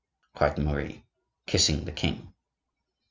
cried Marie, kissing the king.